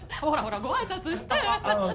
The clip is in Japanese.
ほらほらご挨拶して。